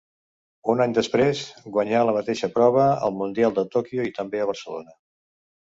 Un any després guanyà la mateixa prova al Mundial de Tòquio i també a Barcelona.